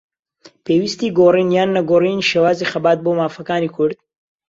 پێویستیی گۆڕین یان نەگۆڕینی شێوازی خەبات بۆ مافەکانی کورد